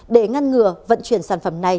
để ngăn ngừa vận chuyển sản phẩm này